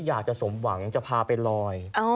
อยากจะสมหวังจะพาไปลอย